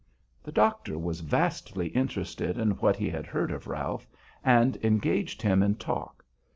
The doctor was vastly interested in what he had heard of Ralph, and engaged him in talk.